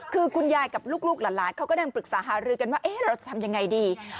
คือคุณยายกับลูกหลานเขาก็นั่งปรึกษาหารือกันว่าเราจะทำยังไงดี